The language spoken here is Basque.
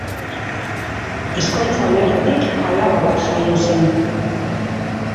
Ezkontza honetatik alaba bat jaio zen.